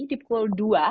di pukul dua